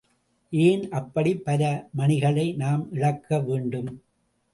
ஏன் அப்படிப் பல மணிகளை நாம் இழக்க வேண்டும்?